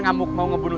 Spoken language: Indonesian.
tidak ada yang tahu